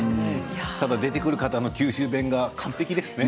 ただ出てくる方の九州弁が完璧ですね。